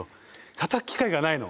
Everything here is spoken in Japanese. たたく機会がないの。